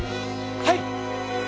はい！